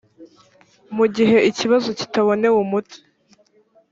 mu gihe ikibazo kitabonewe umuti